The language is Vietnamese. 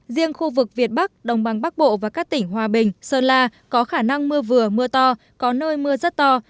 riêng khu vực việt bắc đồng bằng bắc bộ và các tỉnh hòa bình sơn la có khả năng mưa vừa mưa to có nơi mưa rất to